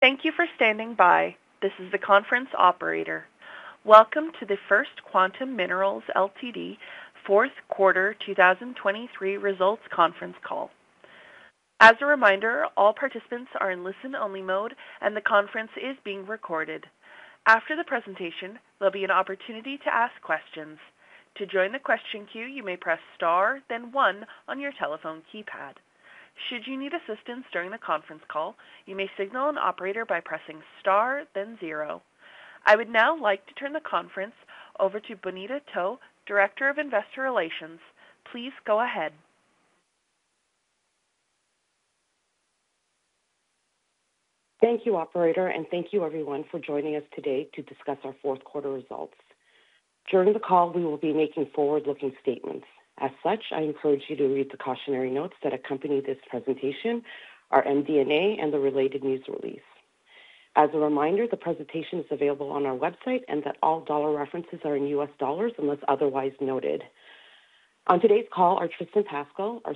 Thank you for standing by. This is the conference operator. Welcome to the First Quantum Minerals Ltd. Q4 2023 results conference call. As a reminder, all participants are in listen-only mode and the conference is being recorded. After the presentation, there'll be an opportunity to ask questions. To join the question queue, you may press star then one on your telephone keypad. Should you need assistance during the conference call, you may signal an operator by pressing star then zero. I would now like to turn the conference over to Bonita To, Director of Investor Relations. Please go ahead. Thank you, operator, and thank you, everyone, for joining us today to discuss our Q4 results. During the call, we will be making forward-looking statements. As such, I encourage you to read the cautionary notes that accompany this presentation, our MD&A, and the related news release. As a reminder, the presentation is available on our website and that all dollar references are in U.S. dollars unless otherwise noted. On today's call are Tristan Pascall, our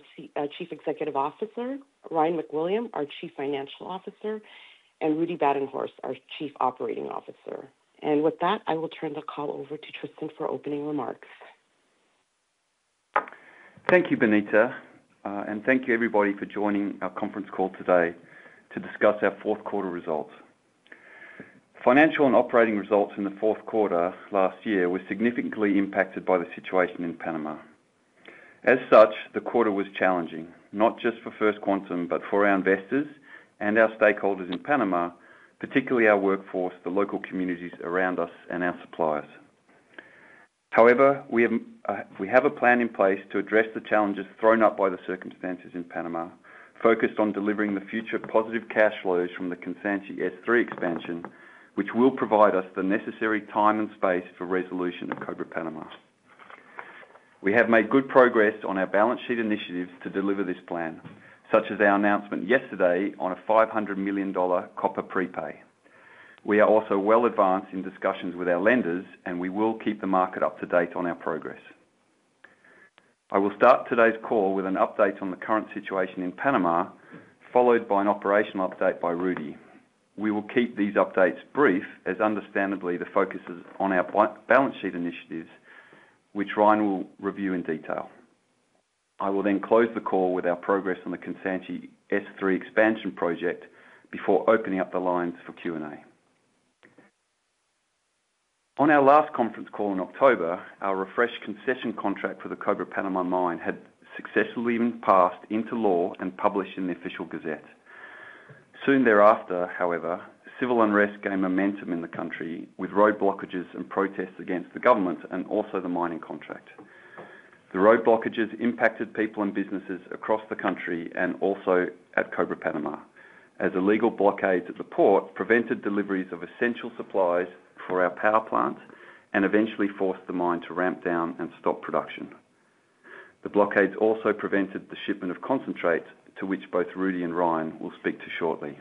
Chief Executive Officer, Ryan MacWilliam, our Chief Financial Officer, and Rudi Badenhorst, our Chief Operating Officer. With that, I will turn the call over to Tristan for opening remarks. Thank you, Bonita, and thank you, everybody, for joining our conference call today to discuss our Q4 results. Financial and operating results in the Q4 last year were significantly impacted by the situation in Panama. As such, the quarter was challenging, not just for First Quantum but for our investors and our stakeholders in Panama, particularly our workforce, the local communities around us, and our suppliers. However, we have a plan in place to address the challenges thrown up by the circumstances in Panama, focused on delivering the future positive cash flows from the Kansanshi S3 expansion, which will provide us the necessary time and space for resolution of Cobre Panamá. We have made good progress on our balance sheet initiatives to deliver this plan, such as our announcement yesterday on a $500 million copper prepay. We are also well advanced in discussions with our lenders, and we will keep the market up to date on our progress. I will start today's call with an update on the current situation in Panama, followed by an operational update by Rudi. We will keep these updates brief, as understandably the focus is on our balance sheet initiatives, which Ryan will review in detail. I will then close the call with our progress on the Kansanshi S3 expansion project before opening up the lines for Q&A. On our last conference call in October, our refreshed concession contract for the Cobre Panamá mine had successfully passed into law and published in the official gazette. Soon thereafter, however, civil unrest gained momentum in the country with road blockages and protests against the government and also the mining contract. The road blockages impacted people and businesses across the country and also at Cobre Panamá, as illegal blockages at the port prevented deliveries of essential supplies for our power plant and eventually forced the mine to ramp down and stop production. The blockages also prevented the shipment of concentrates, to which both Rudi and Ryan will speak to shortly.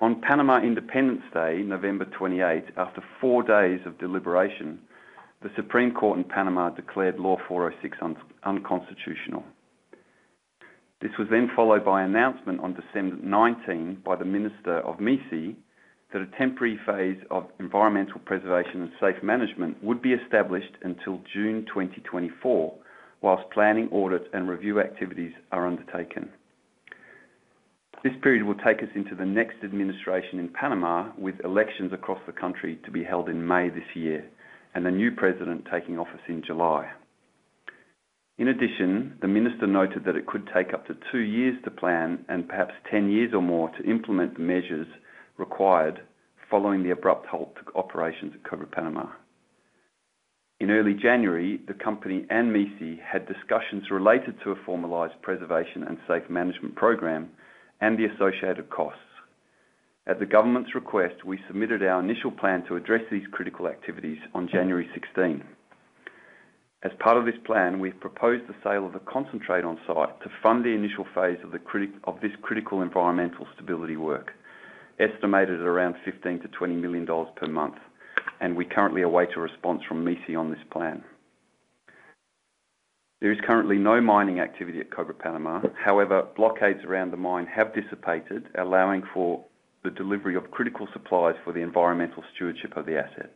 On Panama Independence Day, November 28, after four days of deliberation, the Supreme Court in Panama declared Law 406 unconstitutional. This was then followed by an announcement on December 19 by the Minister of MiAmbiente that a temporary phase of environmental preservation and safe management would be established until June 2024 while planning, audit, and review activities are undertaken. This period will take us into the next administration in Panama, with elections across the country to be held in May this year and a new president taking office in July. In addition, the minister noted that it could take up to two years to plan and perhaps 10 years or more to implement the measures required following the abrupt halt to operations at Cobre Panama. In early January, the company and MiAmbiente had discussions related to a formalized preservation and safe management program and the associated costs. At the government's request, we submitted our initial plan to address these critical activities on January 16. As part of this plan, we've proposed the sale of the concentrate on site to fund the initial phase of this critical environmental stability work, estimated at around $15 million to 20 million per month, and we're currently awaiting a response from MiAmbiente on this plan. There is currently no mining activity at Cobre Panama. However, blockades around the mine have dissipated, allowing for the delivery of critical supplies for the environmental stewardship of the asset.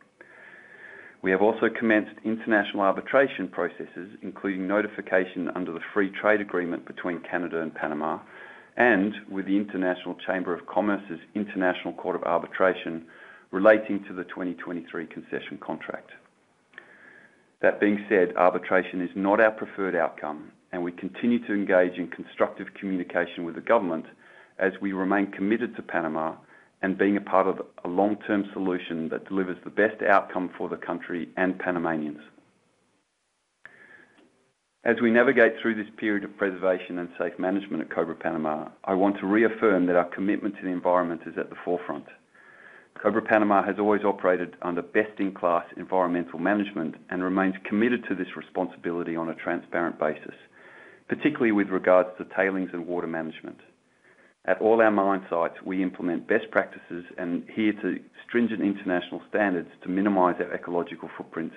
We have also commenced international arbitration processes, including notification under the Free Trade Agreement between Canada and Panama and with the International Chamber of Commerce's International Court of Arbitration relating to the 2023 concession contract. That being said, arbitration is not our preferred outcome, and we continue to engage in constructive communication with the government as we remain committed to Panama and being a part of a long-term solution that delivers the best outcome for the country and Panamanians. As we navigate through this period of preservation and safe management at Cobre Panama, I want to reaffirm that our commitment to the environment is at the forefront. Cobre Panama has always operated under best-in-class environmental management and remains committed to this responsibility on a transparent basis, particularly with regards to tailings and water management. At all our mine sites, we implement best practices and adhere to stringent international standards to minimize our ecological footprint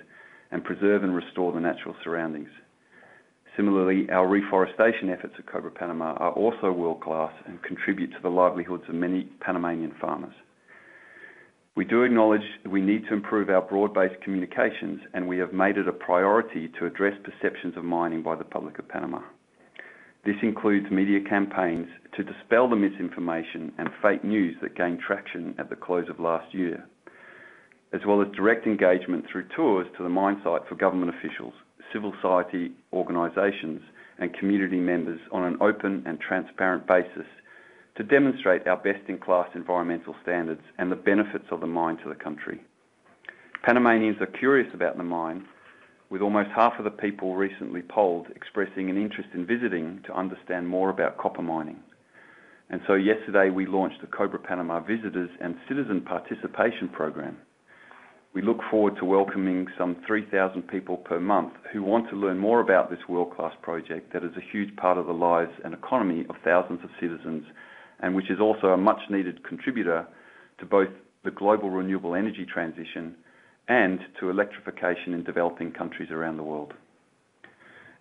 and preserve and restore the natural surroundings. Similarly, our reforestation efforts at Cobre Panama are also world-class and contribute to the livelihoods of many Panamanian farmers. We do acknowledge that we need to improve our broad-based communications, and we have made it a priority to address perceptions of mining by the public of Panama. This includes media campaigns to dispel the MICInformation and fake news that gained traction at the close of last year, as well as direct engagement through tours to the mine site for government officials, civil society organizations, and community members on an open and transparent basis to demonstrate our best-in-class environmental standards and the benefits of the mine to the country. Panamanians are curious about the mine, with almost half of the people recently polled expressing an interest in visiting to understand more about copper mining. And so yesterday, we launched the Cobre Panama Visitors and Citizen Participation Program. We look forward to welcoming some 3,000 people per month who want to learn more about this world-class project that is a huge part of the lives and economy of thousands of citizens and which is also a much-needed contributor to both the global renewable energy transition and to electrification in developing countries around the world.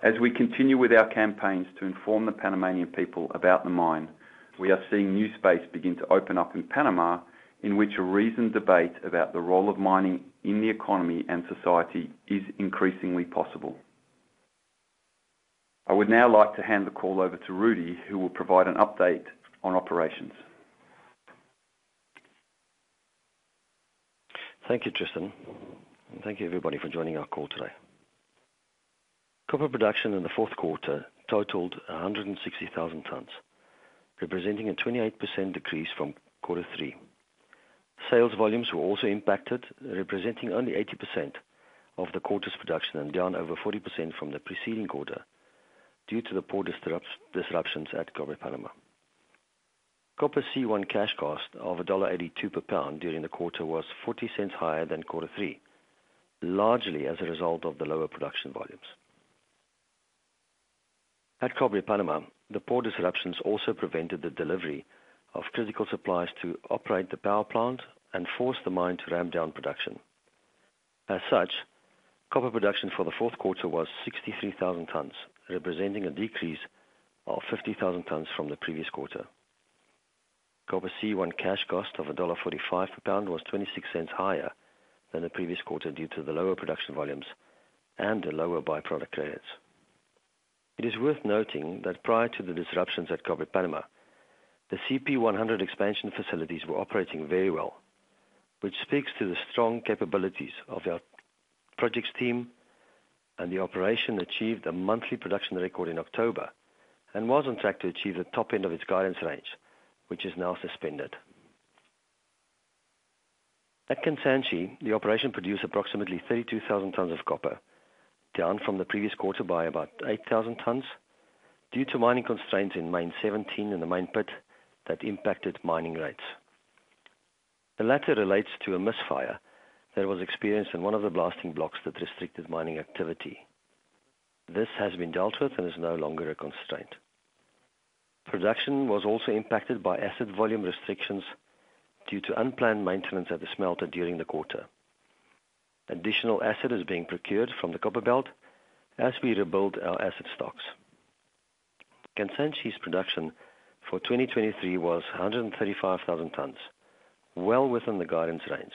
As we continue with our campaigns to inform the Panamanian people about the mine, we are seeing new space begin to open up in Panama in which a reasoned debate about the role of mining in the economy and society is increasingly possible. I would now like to hand the call over to Rudi, who will provide an update on operations. Thank you, Tristan, and thank you, everybody, for joining our call today. Copper production in the Q4 totaled 160,000 tonnes, representing a 28% decrease from Q3. Sales volumes were also impacted, representing only 80% of the quarter's production and down over 40% from the preceding quarter due to the protest disruptions at Cobre Panama. Copper C1 cash cost of $1.82 per pound during the quarter was $0.40 higher than Q3, largely as a result of the lower production volumes. At Cobre Panama, the protest disruptions also prevented the delivery of critical supplies to operate the power plant and forced the mine to ramp down production. As such, copper production for the Q4 was 63,000 tonnes, representing a decrease of 50,000 tonnes from the previous quarter. Copper C1 cash cost of $1.45 per pound was $0.26 higher than the previous quarter due to the lower production volumes and the lower byproduct credits. It is worth noting that prior to the disruptions at Cobre Panama, the CP100 expansion facilities were operating very well, which speaks to the strong capabilities of our project's team. The operation achieved a monthly production record in October and was on track to achieve the top end of its guidance range, which is now suspended. At Kansanshi, the operation produced approximately 32,000 tonnes of copper, down from the previous quarter by about 8,000 tonnes due to mining constraints in mine 17 and the mine pit that impacted mining rates. The latter relates to a misfire that was experienced in one of the blasting blocks that restricted mining activity. This has been dealt with and is no longer a constraint. Production was also impacted by acid volume restrictions due to unplanned maintenance at the smelter during the quarter. Additional acid is being procured from the Copperbelt as we rebuild our acid stocks. Kansanshi's production for 2023 was 135,000 tonnes, well within the guidance range.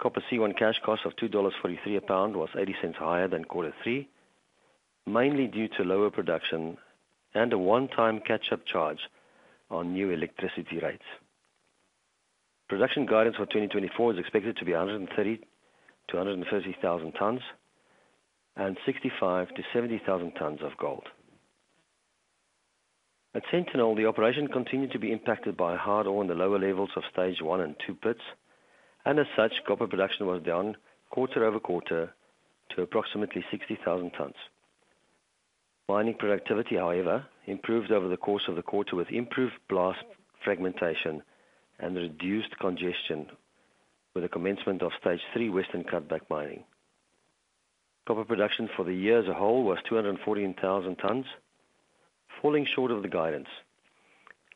Copper C1 cash cost of $2.43 a pound was $0.80 higher than Q3, mainly due to lower production and a one-time catch-up charge on new electricity rates. Production guidance for 2024 is expected to be 130,000 to 150,000 tonnes and 65,000 to 70,000 tonnes of gold. At Sentinel, the operation continued to be impacted by hard ore in the lower levels of Stage 1 and Stage 2 pits, and as such, copper production was down quarter-over-quarter to approximately 60,000 tonnes. Mining productivity, however, improved over the course of the quarter with improved blast fragmentation and reduced congestion with the commencement of Stage 3 western cutback mining. Copper production for the year as a whole was 214,000 tonnes, falling short of the guidance.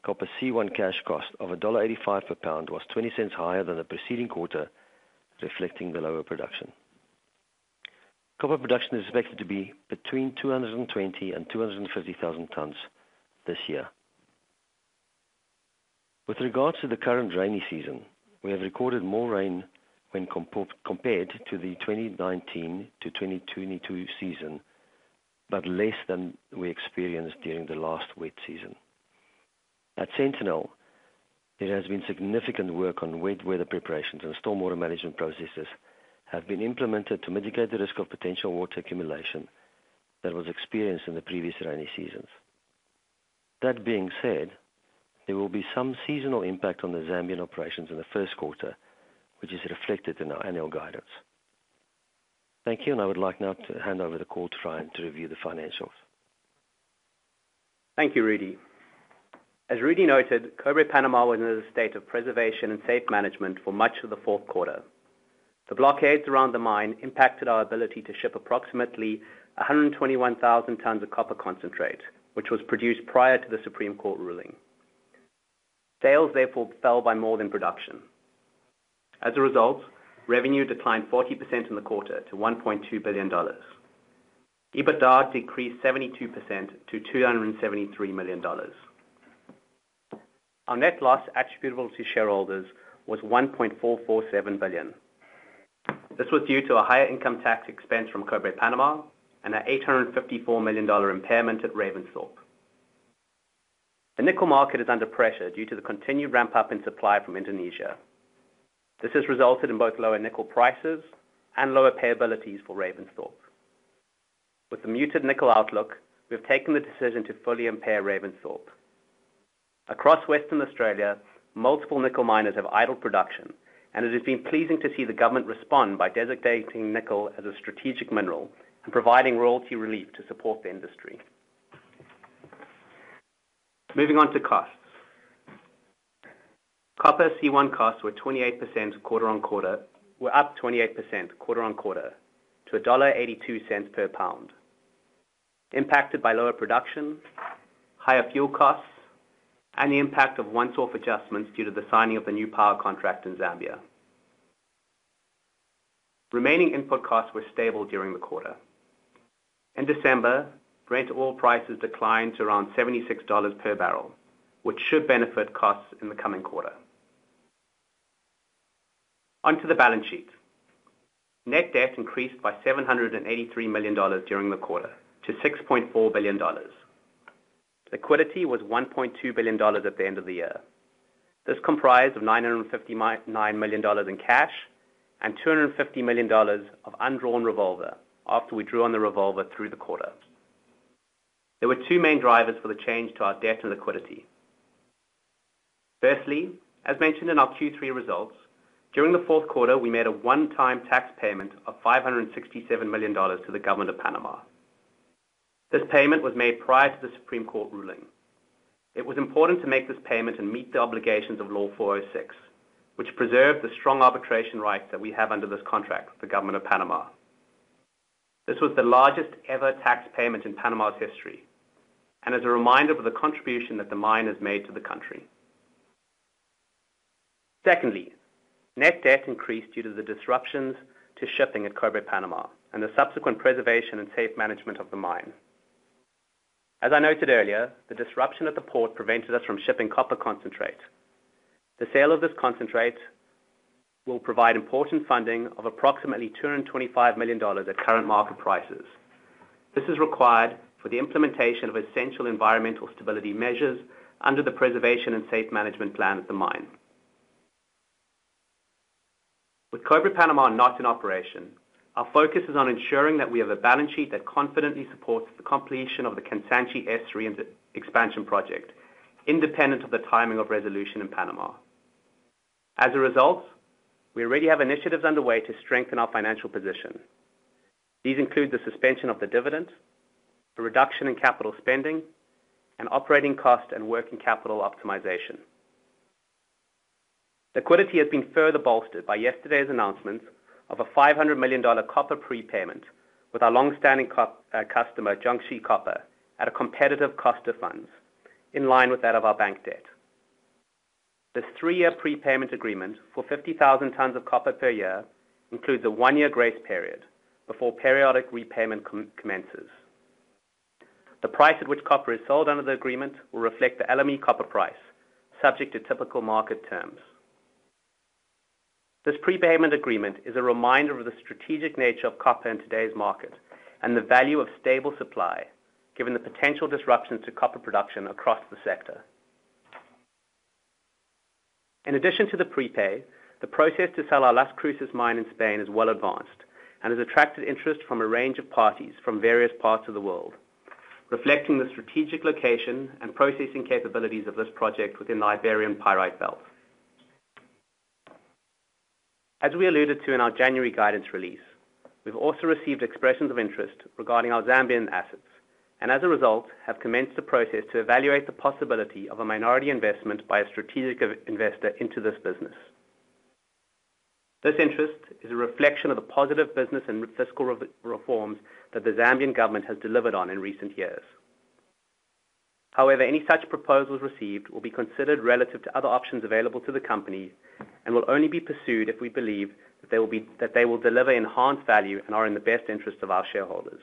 Copper C1 cash cost of $1.85 per pound was $0.20 higher than the preceding quarter, reflecting the lower production. Copper production is expected to be between 220,000 to 250,000 tonnes this year. With regards to the current rainy season, we have recorded more rain when compared to the 2019 to 2022 season but less than we experienced during the last wet season. At Sentinel, there has been significant work on wet weather preparations, and stormwater management processes have been implemented to mitigate the risk of potential water accumulation that was experienced in the previous rainy seasons. That being said, there will be some seasonal impact on the Zambian operations in the Q1, which is reflected in our annual guidance. Thank you, and I would like now to hand over the call to Ryan to review the financials. Thank you, Rudi. As Rudi noted, Cobre Panama was in a state of preservation and safe management for much of the Q4. The blockades around the mine impacted our ability to ship approximately 121,000 tonnes of copper concentrate, which was produced prior to the Supreme Court ruling. Sales, therefore, fell by more than production. As a result, revenue declined 40% in the quarter to $1.2 billion. EBITDA decreased 72% to $273 million. Our net loss attributable to shareholders was $1.447 billion. This was due to a higher income tax expense from Cobre Panama and an $854 million impairment at Ravensthorpe. The nickel market is under pressure due to the continued ramp-up in supply from Indonesia. This has resulted in both lower nickel prices and lower payabilities for Ravensthorpe. With the muted nickel outlook, we've taken the decision to fully impair Ravensthorpe. Across Western Australia, multiple nickel miners have idled production, and it has been pleasing to see the government respond by designating nickel as a strategic mineral and providing royalty relief to support the industry. Moving on to costs. Copper C1 costs were up 28% quarter-over-quarter to $1.82 per pound, impacted by lower production, higher fuel costs, and the impact of one-off adjustments due to the signing of the new power contract in Zambia. Remaining input costs were stable during the quarter. In December, Brent oil prices declined to around $76 per barrel, which should benefit costs in the coming quarter. Onto the balance sheet. Net debt increased by $783 million during the quarter to $6.4 billion. Liquidity was $1.2 billion at the end of the year. This comprised $959 million in cash and $250 million of undrawn revolver after we drew on the revolver through the quarter. There were two main drivers for the change to our debt and liquidity. Firstly, as mentioned in our Q3 results, during the Q4, we made a one-time tax payment of $567 million to the government of Panama. This payment was made prior to the Supreme Court ruling. It was important to make this payment and meet the obligations of Law 406, which preserved the strong arbitration rights that we have under this contract with the government of Panama. This was the largest ever tax payment in Panama's history and is a reminder of the contribution that the mine has made to the country. Secondly, net debt increased due to the disruptions to shipping at Cobre Panama and the subsequent preservation and safe management of the mine. As I noted earlier, the disruption at the port prevented us from shipping copper concentrate. The sale of this concentrate will provide important funding of approximately $225 million at current market prices. This is required for the implementation of essential environmental stability measures under the preservation and safe management plan at the mine. With Cobre Panama not in operation, our focus is on ensuring that we have a balance sheet that confidently supports the completion of the Kansanshi S3 expansion project, independent of the timing of resolution in Panama. As a result, we already have initiatives underway to strengthen our financial position. These include the suspension of the dividend, a reduction in capital spending, and operating cost and working capital optimization. Liquidity has been further bolstered by yesterday's announcements of a $500 million copper prepayment with our longstanding customer, Jiangxi Copper, at a competitive cost of funds in line with that of our bank debt. This three-year prepayment agreement for 50,000 tonnes of copper per year includes a one-year grace period before periodic repayment commences. The price at which copper is sold under the agreement will reflect the LME copper price, subject to typical market terms. This prepayment agreement is a reminder of the strategic nature of copper in today's market and the value of stable supply given the potential disruptions to copper production across the sector. In addition to the prepay, the process to sell our Las Cruces mine in Spain is well advanced and has attracted interest from a range of parties from various parts of the world, reflecting the strategic location and processing capabilities of this project within the Iberian Pyrite Belt. As we alluded to in our January guidance release, we've also received expressions of interest regarding our Zambian assets and, as a result, have commenced a process to evaluate the possibility of a minority investment by a strategic investor into this business. This interest is a reflection of the positive business and fiscal reforms that the Zambian government has delivered on in recent years. However, any such proposals received will be considered relative to other options available to the company and will only be pursued if we believe that they will deliver enhanced value and are in the best interest of our shareholders.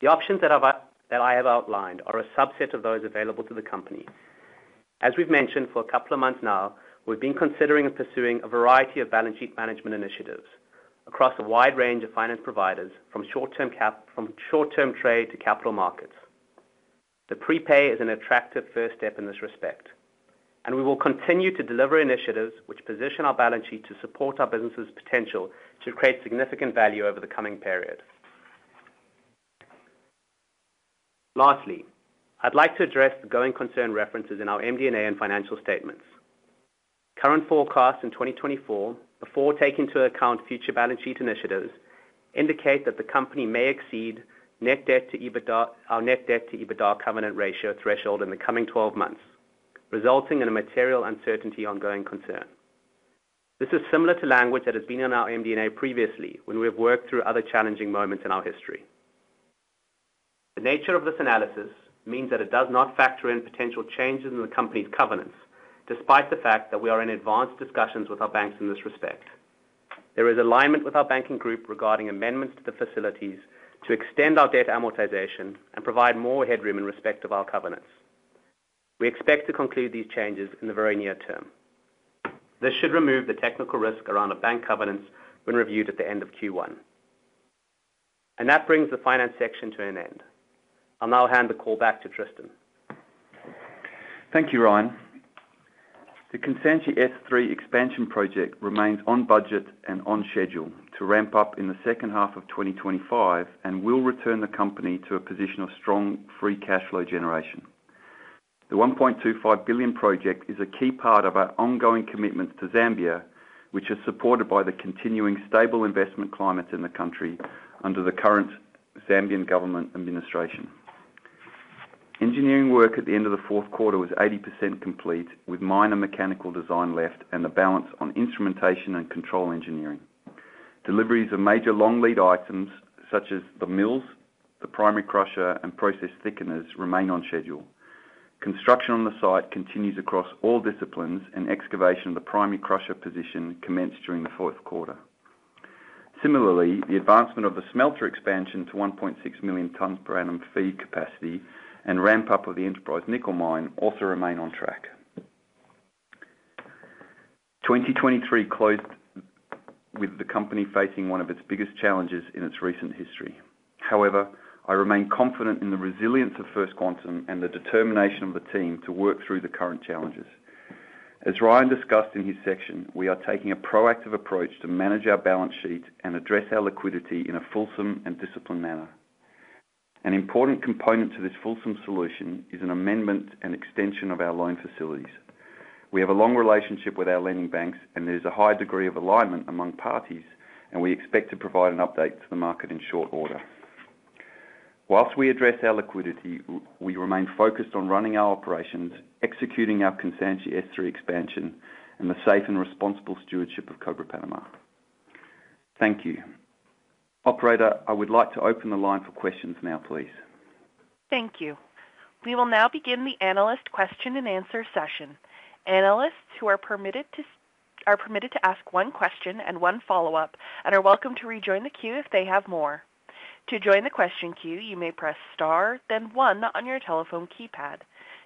The options that I have outlined are a subset of those available to the company. As we've mentioned for a couple of months now, we've been considering and pursuing a variety of balance sheet management initiatives across a wide range of finance providers, from short-term trade to capital markets. The prepay is an attractive first step in this respect, and we will continue to deliver initiatives which position our balance sheet to support our business's potential to create significant value over the coming period. Lastly, I'd like to address the going concern references in our MD&A and financial statements. Current forecasts in 2024, before taking into account future balance sheet initiatives, indicate that the company may exceed our Net Debt-to-EBITDA Covenant Ratio threshold in the coming 12 months, resulting in a material uncertainty on going concern. This is similar to language that has been in our MD&A previously when we have worked through other challenging moments in our history. The nature of this analysis means that it does not factor in potential changes in the company's covenants, despite the fact that we are in advanced discussions with our banks in this respect. There is alignment with our banking group regarding amendments to the facilities to extend our debt amortization and provide more headroom in respect of our covenants. We expect to conclude these changes in the very near term. This should remove the technical risk around our bank covenants when reviewed at the end of Q1. That brings the finance section to an end. I'll now hand the call back to Tristan. Thank you, Ryan. The Kansanshi S3 expansion project remains on budget and on schedule to ramp up in the second half of 2025 and will return the company to a position of strong free cash flow generation. The $1.25 billion project is a key part of our ongoing commitments to Zambia, which is supported by the continuing stable investment climate in the country under the current Zambian government administration. Engineering work at the end of the Q4 was 80% complete, with minor mechanical design left and the balance on instrumentation and control engineering. Deliveries of major long lead items such as the mills, the primary crusher, and process thickeners remain on schedule. Construction on the site continues across all disciplines, and excavation of the primary crusher position commenced during the Q4. Similarly, the advancement of the smelter expansion to 1.6 million tonnes per annum feed capacity and ramp-up of the Enterprise Nickel Mine also remain on track. 2023 closed with the company facing one of its biggest challenges in its recent history. However, I remain confident in the resilience of First Quantum and the determination of the team to work through the current challenges. As Ryan discussed in his section, we are taking a proactive approach to manage our balance sheet and address our liquidity in a fulsome and disciplined manner. An important component to this fulsome solution is an amendment and extension of our loan facilities. We have a long relationship with our lending banks, and there's a high degree of alignment among parties, and we expect to provide an update to the market in short order. While we address our liquidity, we remain focused on running our operations, executing our Kansanshi S3 expansion, and the safe and responsible stewardship of Cobre Panama. Thank you. Operator, I would like to open the line for questions now, please. Thank you. We will now begin the analyst Q&A session. Analysts who are permitted to ask one question and one follow-up and are welcome to rejoin the queue if they have more. To join the question queue, you may press star, then one on your telephone keypad.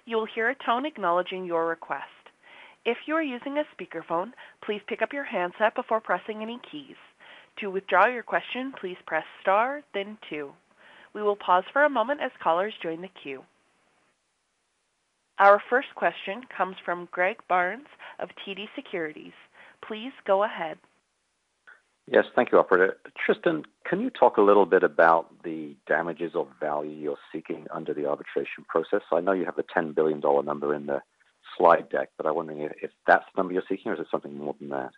You will hear a tone acknowledging your request. If you are using a speakerphone, please pick up your handset before pressing any keys. To withdraw your question, please press star, then two. We will pause for a moment as callers join the queue. Our first question comes from Greg Barnes of TD Securities. Please go ahead. Yes, thank you, Operator. Tristan, can you talk a little bit about the damages of value you're seeking under the arbitration process? I know you have the $10 billion number in the slide deck, but I'm wondering if that's the number you're seeking or is it something more than that?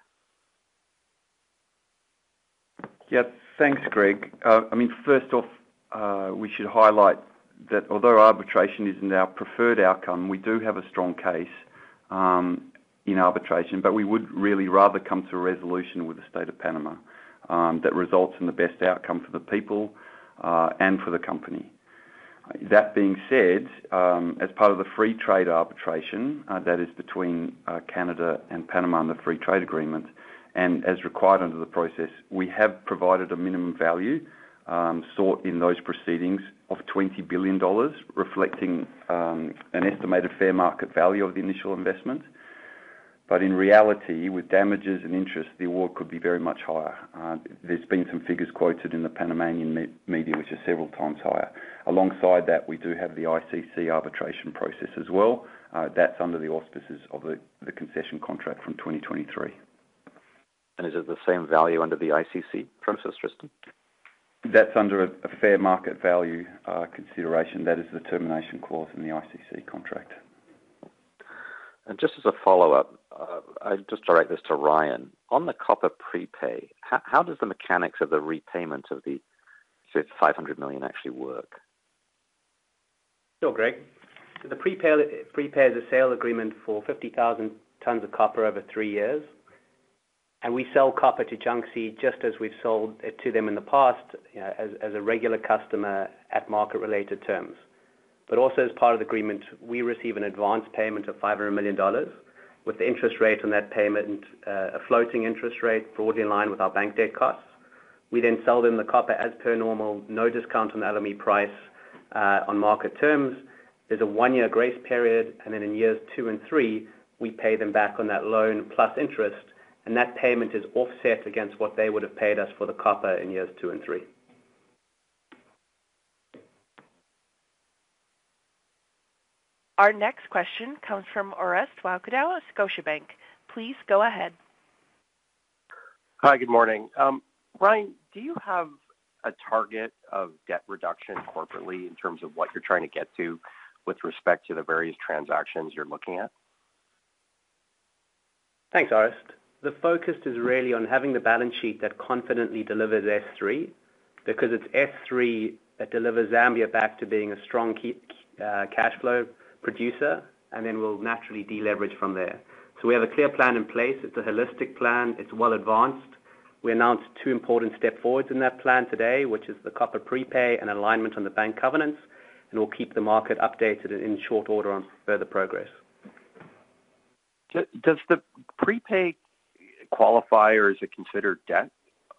Yep, thanks, Greg. I mean, first off, we should highlight that although arbitration isn't our preferred outcome, we do have a strong case in arbitration, but we would really rather come to a resolution with the state of Panama that results in the best outcome for the people and for the company. That being said, as part of the Free Trade Agreement arbitration that is between Canada and Panama and the Free Trade Agreement, and as required under the process, we have provided a minimum value sought in those proceedings of $20 billion, reflecting an estimated fair market value of the initial investment. But in reality, with damages and interest, the award could be very much higher. There's been some figures quoted in the Panamanian media, which are several times higher. Alongside that, we do have the ICC arbitration process as well. That's under the auspices of the concession contract from 2023. Is it the same value under the ICC process, Tristan? That's under a fair market value consideration. That is the termination clause in the ICC contract. Just as a follow-up, I'd just direct this to Ryan. On the copper prepay, how does the mechanics of the repayment of the $500 million actually work? Sure, Greg. So the prepay is a sale agreement for 50,000 tonnes of copper over three years, and we sell copper to Jiangxi just as we've sold it to them in the past as a regular customer at market-related terms. But also as part of the agreement, we receive an advance payment of $500 million with the interest rate on that payment a floating interest rate broadly in line with our bank debt costs. We then sell them the copper as per normal, no discount on the LME price on market terms. There's a one-year grace period, and then in years two and three, we pay them back on that loan plus interest, and that payment is offset against what they would have paid us for the copper in years two and three. Our next question comes from Orest Wowkodaw, Scotiabank. Please go ahead. Hi, good morning. Ryan, do you have a target of debt reduction corporately in terms of what you're trying to get to with respect to the various transactions you're looking at? Thanks, Orest. The focus is really on having the balance sheet that confidently delivers S3 because it's S3 that delivers Zambia back to being a strong cash flow producer, and then we'll naturally deleverage from there. So we have a clear plan in place. It's a holistic plan. It's well advanced. We announced two important step forwards in that plan today, which is the copper prepay and alignment on the bank covenants, and we'll keep the market updated in short order on further progress. Does the prepay qualify or is it considered debt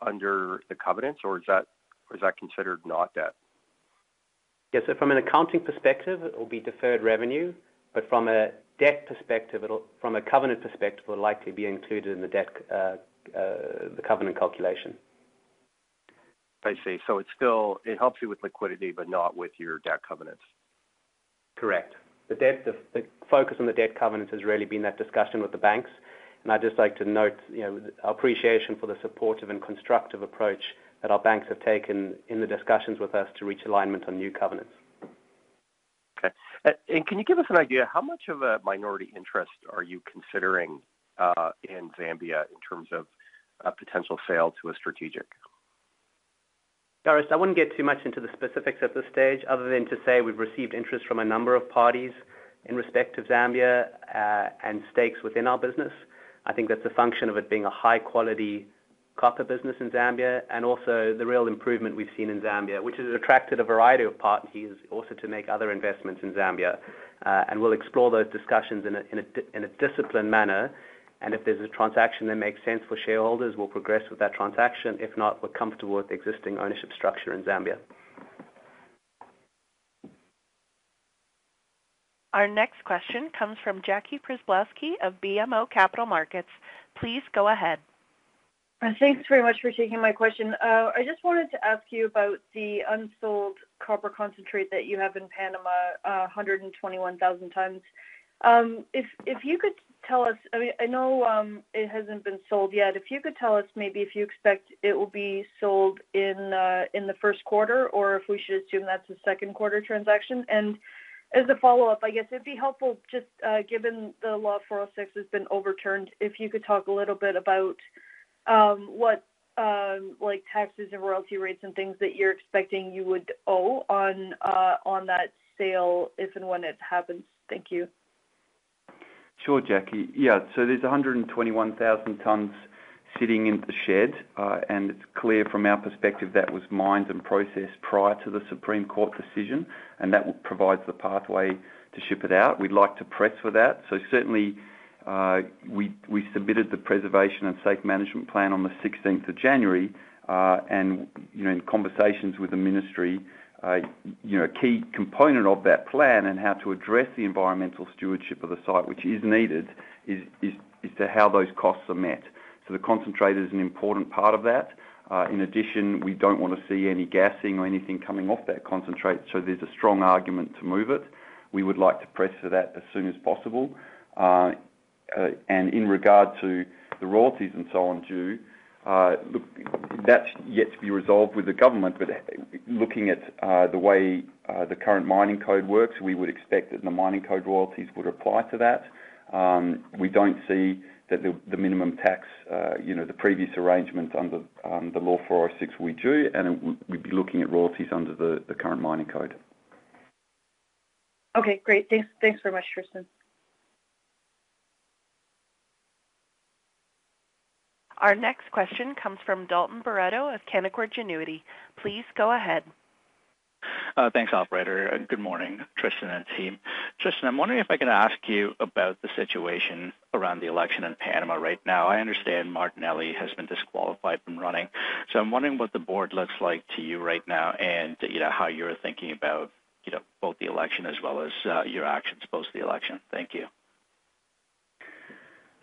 under the covenants, or is that considered not debt? Yes, so from an accounting perspective, it will be deferred revenue, but from a covenant perspective, it will likely be included in the covenant calculation. I see. So it helps you with liquidity but not with your debt covenants? Correct. The focus on the debt covenants has really been that discussion with the banks, and I'd just like to note appreciation for the supportive and constructive approach that our banks have taken in the discussions with us to reach alignment on new covenants. Okay. And can you give us an idea how much of a minority interest are you considering in Zambia in terms of a potential sale to a strategic? Orest, I wouldn't get too much into the specifics at this stage other than to say we've received interest from a number of parties in respect of Zambia and stakes within our business. I think that's a function of it being a high-quality copper business in Zambia and also the real improvement we've seen in Zambia, which has attracted a variety of parties also to make other investments in Zambia. And we'll explore those discussions in a disciplined manner, and if there's a transaction that makes sense for shareholders, we'll progress with that transaction. If not, we're comfortable with the existing ownership structure in Zambia. Our next question comes from Jackie Przybylowski of BMO Capital Markets. Please go ahead. Thanks very much for taking my question. I just wanted to ask you about the unsold copper concentrate that you have in Panama, 121,000 tonnes. If you could tell us, I mean, I know it hasn't been sold yet. If you could tell us maybe if you expect it will be sold in the Q1 or if we should assume that's a second-quarter transaction. And as a follow-up, I guess it'd be helpful just given the Law 406 has been overturned, if you could talk a little bit about what taxes and royalty rates and things that you're expecting you would owe on that sale if and when it happens. Thank you. Sure, Jackie. Yeah, so there's 121,000 tonnes sitting in the shed, and it's clear from our perspective that was mined and processed prior to the Supreme Court decision, and that provides the pathway to ship it out. We'd like to press for that. So certainly, we submitted the preservation and safe management plan on the 16th of January, and in conversations with the ministry, a key component of that plan and how to address the environmental stewardship of the site, which is needed, is how those costs are met. So the concentrate is an important part of that. In addition, we don't want to see any gassing or anything coming off that concentrate, so there's a strong argument to move it. We would like to press for that as soon as possible. In regard to the royalties and so on due, that's yet to be resolved with the government, but looking at the way the current mining code works, we would expect that the mining code royalties would apply to that. We don't see that the minimum tax the previous arrangement under the Law 406 would be due, and we'd be looking at royalties under the current mining code. Okay, great. Thanks very much, Tristan. Our next question comes from Dalton Barretto of Canaccord Genuity. Please go ahead. Thanks, Operator. Good morning, Tristan and team. Tristan, I'm wondering if I can ask you about the situation around the election in Panama right now. I understand Martinelli has been disqualified from running, so I'm wondering what the board looks like to you right now and how you're thinking about both the election as well as your actions post the election. Thank you.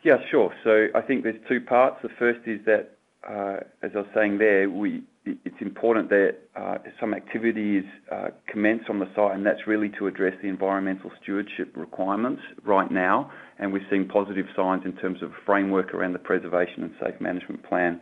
Yes, sure. So I think there's two parts. The first is that, as I was saying there, it's important that some activities commence on the site, and that's really to address the environmental stewardship requirements right now, and we've seen positive signs in terms of a framework around the Preservation and Safe Management plan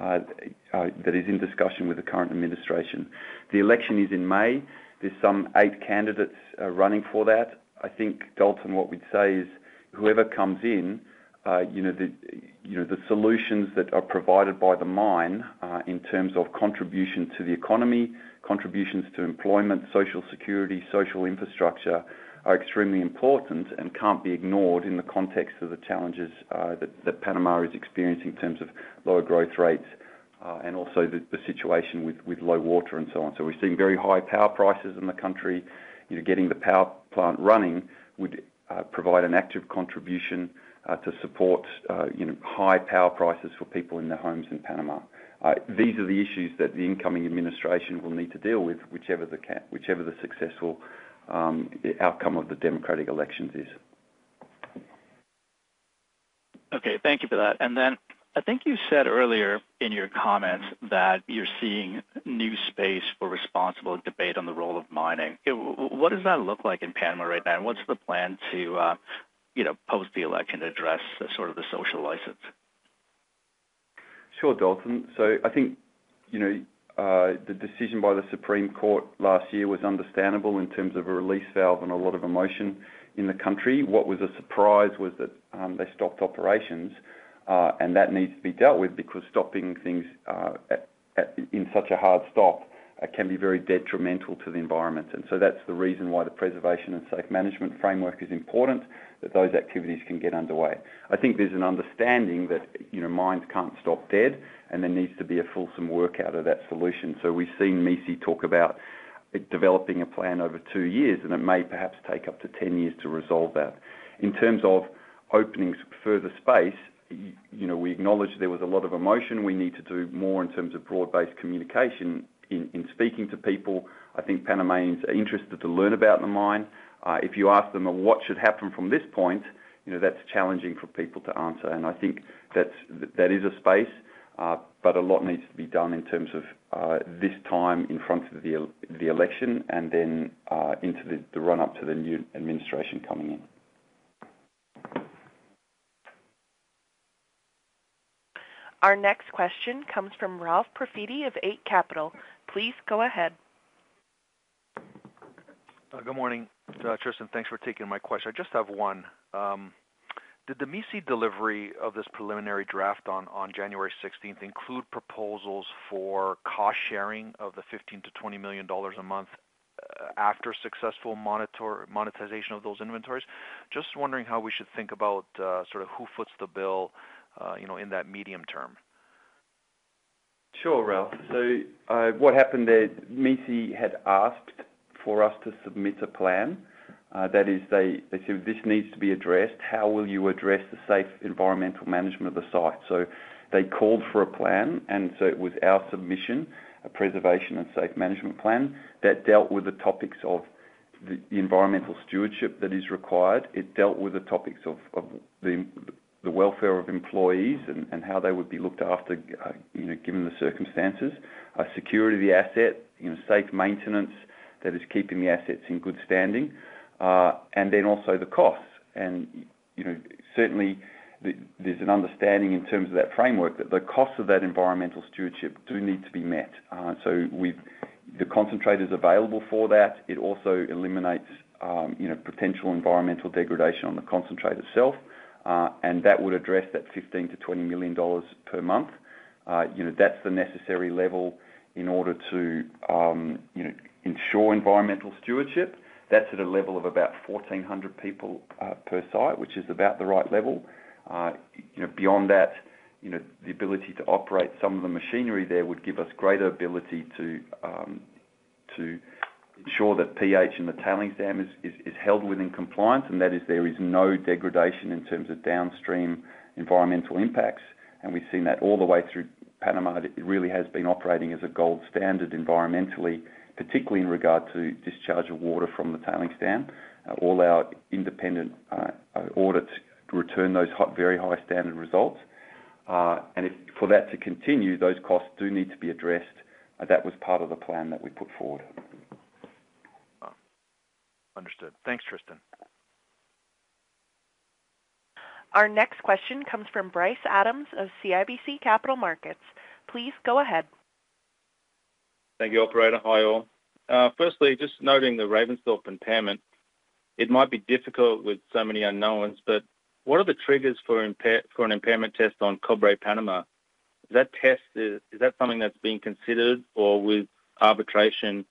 that is in discussion with the current administration. The election is in May. There's some eight candidates running for that. I think, Dalton, what we'd say is whoever comes in, the solutions that are provided by the mine in terms of contribution to the economy, contributions to employment, social security, social infrastructure are extremely important and can't be ignored in the context of the challenges that Panama is experiencing in terms of lower growth rates and also the situation with low water and so on. So we're seeing very high power prices in the country. Getting the power plant running would provide an active contribution to support high power prices for people in their homes in Panama. These are the issues that the incoming administration will need to deal with, whichever the successful outcome of the democratic elections is. Okay, thank you for that. And then I think you said earlier in your comments that you're seeing new space for responsible debate on the role of mining. What does that look like in Panama right now, and what's the plan to post the election to address sort of the social license? Sure, Dalton. So I think the decision by the Supreme Court last year was understandable in terms of a release valve and a lot of emotion in the country. What was a surprise was that they stopped operations, and that needs to be dealt with because stopping things in such a hard stop can be very detrimental to the environment. And so that's the reason why the preservation and safe management framework is important, that those activities can get underway. I think there's an understanding that mines can't stop dead, and there needs to be a fulsome work out of that solution. So we've seen MICI talk about developing a plan over two years, and it may perhaps take up to 10 years to resolve that. In terms of opening further space, we acknowledge there was a lot of emotion. We need to do more in terms of broad-based communication in speaking to people. I think Panamanians are interested to learn about the mine. If you ask them what should happen from this point, that's challenging for people to answer, and I think that is a space, but a lot needs to be done in terms of this time in front of the election and then into the run-up to the new administration coming in. Our next question comes from Ralph Profiti of Eight Capital. Please go ahead. Good morning, Tristan. Thanks for taking my question. I just have one. Did the MICI delivery of this preliminary draft on January 16th include proposals for cost-sharing of the $15-$20 million a month after successful monetization of those inventories? Just wondering how we should think about sort of who foots the bill in that medium term. Sure, Ralph. So what happened there, MICI had asked for us to submit a plan. That is, they said, "This needs to be addressed. How will you address the safe environmental management of the site?" So they called for a plan, and so it was our submission, a preservation and safe management plan, that dealt with the topics of the environmental stewardship that is required. It dealt with the topics of the welfare of employees and how they would be looked after given the circumstances, security of the asset, safe maintenance that is keeping the assets in good standing, and then also the costs. And certainly, there's an understanding in terms of that framework that the costs of that environmental stewardship do need to be met. So the concentrate is available for that. It also eliminates potential environmental degradation on the concentrate itself, and that would address that $15 million-$20 million per month. That's the necessary level in order to ensure environmental stewardship. That's at a level of about 1,400 people per site, which is about the right level. Beyond that, the ability to operate some of the machinery there would give us greater ability to ensure that pH in the tailings dam is held within compliance, and that there is no degradation in terms of downstream environmental impacts. And we've seen that all the way through Panama. It really has been operating as a gold standard environmentally, particularly in regard to discharge of water from the tailings dam. All our independent audits return those very high-standard results. And for that to continue, those costs do need to be addressed. That was part of the plan that we put forward. Understood. Thanks, Tristan. Our next question comes from Bryce Adams of CIBC Capital Markets. Please go ahead. Thank you, Operator. Hi all. Firstly, just noting the Ravensthorpe impairment, it might be difficult with so many unknowns, but what are the triggers for an impairment test on Cobre Panama? Is that something that's being considered, or with arbitration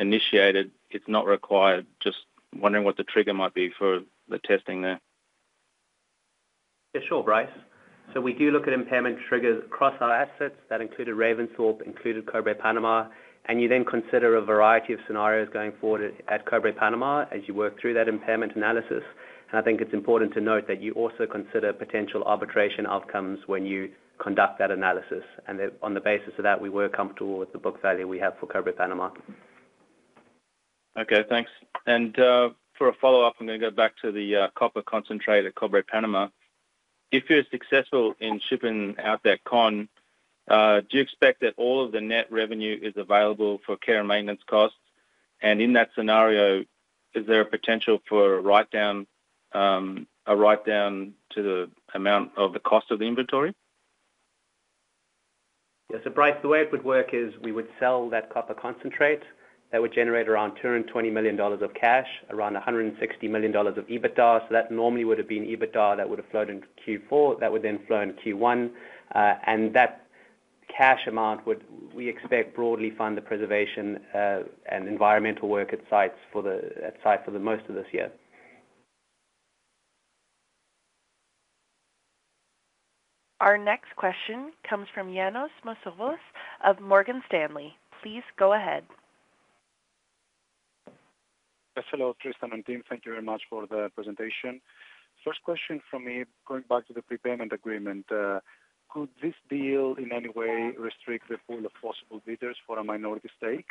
initiated, it's not required? Just wondering what the trigger might be for the testing there. Yeah, sure, Bryce. So we do look at impairment triggers across our assets. That included Ravensthorpe, included Cobre Panama, and you then consider a variety of scenarios going forward at Cobre Panama as you work through that impairment analysis. And I think it's important to note that you also consider potential arbitration outcomes when you conduct that analysis. And on the basis of that, we were comfortable with the book value we have for Cobre Panama. Okay, thanks. For a follow-up, I'm going to go back to the copper concentrate at Cobre Panama. If you're successful in shipping out that con, do you expect that all of the net revenue is available for care and maintenance costs? In that scenario, is there a potential for a write-down to the amount of the cost of the inventory? Yes, so Bryce, the way it would work is we would sell that copper concentrate. That would generate around $220 million of cash, around $160 million of EBITDA. So that normally would have been EBITDA that would have flowed in Q4. That would then flow in Q1. And that cash amount would, we expect, broadly fund the preservation and environmental work at sites for the most of this year. Our next question comes from Ioannis Masvoulas of Morgan Stanley. Please go ahead. Yes, hello, Tristan and team. Thank you very much for the presentation. First question from me, going back to the prepayment agreement, could this deal in any way restrict the pool of possible bidders for a minority stake,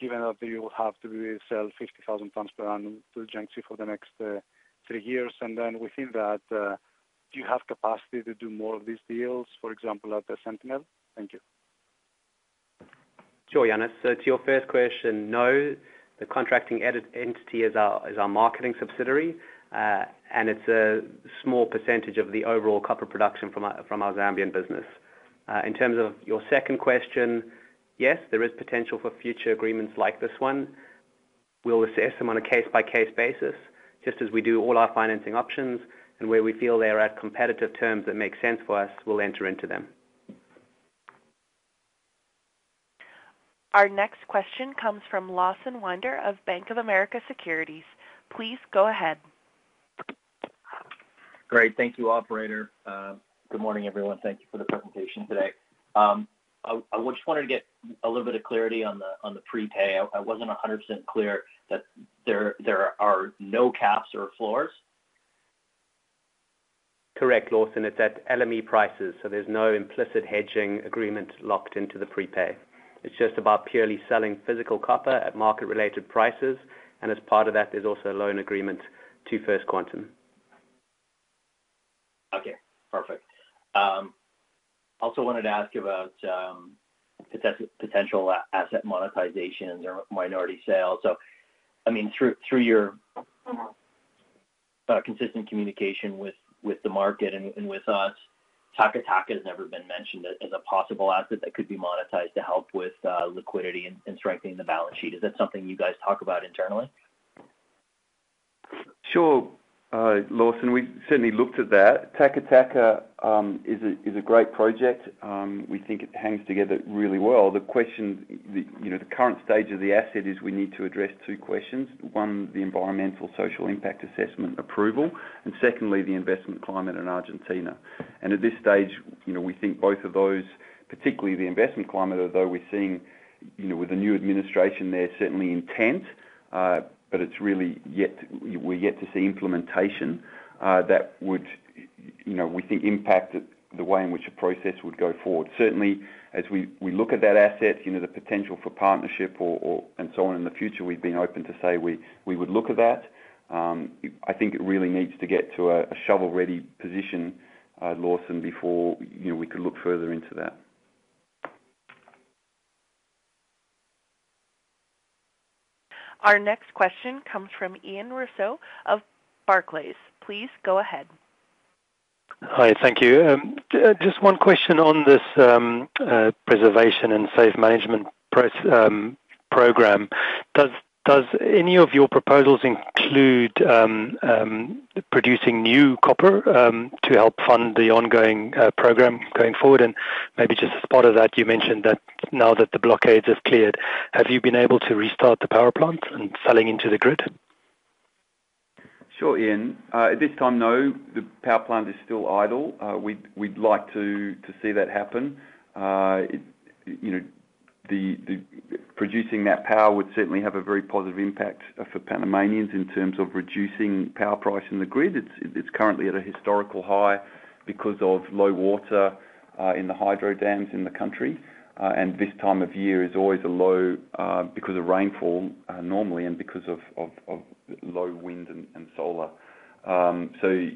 given that you will have to sell 50,000 tonnes per annum to the Jiangxi for the next three years? And then within that, do you have capacity to do more of these deals, for example, at the Sentinel? Thank you. Sure, Ioannis. To your first question, no. The contracting entity is our marketing subsidiary, and it's a small percentage of the overall copper production from our Zambian business. In terms of your second question, yes, there is potential for future agreements like this one. We'll assess them on a case-by-case basis. Just as we do all our financing options, and where we feel they are at competitive terms that make sense for us, we'll enter into them. Our next question comes from Lawson Winder of Bank of America Securities. Please go ahead. Great. Thank you, Operator. Good morning, everyone. Thank you for the presentation today. I just wanted to get a little bit of clarity on the prepay. I wasn't 100% clear that there are no caps or floors. Correct, Lawson. It's at LME prices, so there's no implicit hedging agreement locked into the prepay. It's just about purely selling physical copper at market-related prices, and as part of that, there's also a loan agreement to First Quantum. Okay, perfect. Also wanted to ask about potential asset monetizations or minority sales. So I mean, through your consistent communication with the market and with us, Taca Taca has never been mentioned as a possible asset that could be monetized to help with liquidity and strengthening the balance sheet. Is that something you guys talk about internally? Sure, Lawson. We certainly looked at that. Taca Taca is a great project. We think it hangs together really well. The question, the current stage of the asset is we need to address two questions. One, the environmental social impact assessment approval, and secondly, the investment climate in Argentina. And at this stage, we think both of those, particularly the investment climate, although we're seeing with the new administration there certainly intent, but it's really yet we're yet to see implementation that would, we think, impact the way in which the process would go forward. Certainly, as we look at that asset, the potential for partnership and so on in the future, we've been open to say we would look at that. I think it really needs to get to a shovel-ready position, Lawson, before we could look further into that. Our next question comes from Ian Rossouw of Barclays. Please go ahead. Hi, thank you. Just one question on this Preservation and Safe Management program. Does any of your proposals include producing new copper to help fund the ongoing program going forward? And maybe just a spot of that, you mentioned that now that the blockades have cleared, have you been able to restart the power plants and selling into the grid? Sure, Ian. At this time, no. The power plant is still idle. We'd like to see that happen. Producing that power would certainly have a very positive impact for Panamanians in terms of reducing power price in the grid. It's currently at a historical high because of low water in the hydro dams in the country, and this time of year is always a low because of rainfall normally and because of low wind and solar. Currently,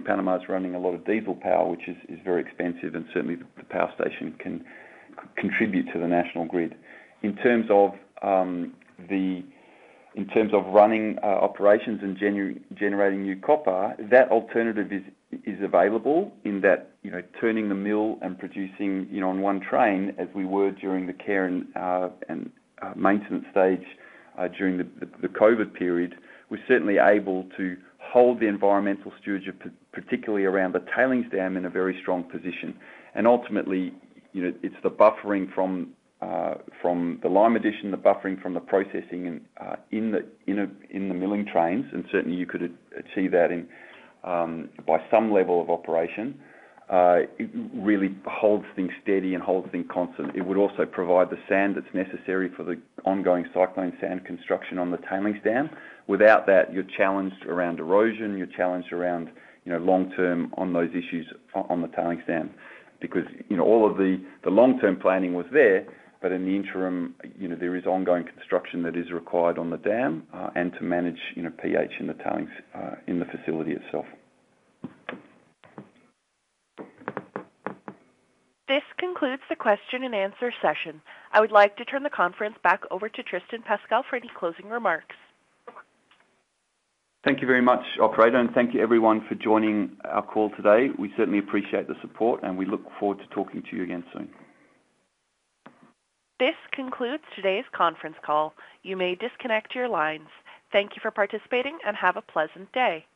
Panama is running a lot of diesel power, which is very expensive, and certainly, the power station can contribute to the national grid. In terms of running operations and generating new copper, that alternative is available in that turning the mill and producing on one train, as we were during the care and maintenance stage during the COVID period, we're certainly able to hold the environmental stewardship, particularly around the tailings dam, in a very strong position. And ultimately, it's the buffering from the lime addition, the buffering from the processing in the milling trains, and certainly, you could achieve that by some level of operation. It really holds things steady and holds things constant. It would also provide the sand that's necessary for the ongoing cyclone sand construction on the tailings dam. Without that, you're challenged around erosion. You're challenged around long-term on those issues on the tailings dam because all of the long-term planning was there, but in the interim, there is ongoing construction that is required on the dam and to manage pH in the facility itself. This concludes the Q&A session. I would like to turn the conference back over to Tristan Pascall for any closing remarks. Thank you very much, Operator, and thank you, everyone, for joining our call today. We certainly appreciate the support, and we look forward to talking to you again soon. This concludes today's conference call. You may disconnect your lines. Thank you for participating, and have a pleasant day.